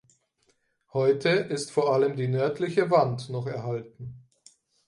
Heute ist vor allem die nördliche Wand noch erhalten.